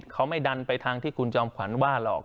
เขาไม่ดันไปทางที่คุณจอมขวัญว่าหรอก